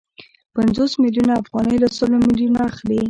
پنځوس میلیونه افغانۍ له سلو میلیونو اخلي